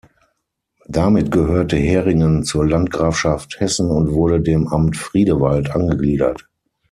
Damit gehörte Heringen zur Landgrafschaft Hessen und wurde dem Amt Friedewald angegliedert.